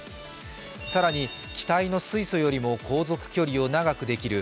更に、気体の水素よりも航続距離を長くできる